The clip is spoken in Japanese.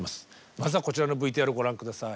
まずはこちらのＶＴＲご覧下さい。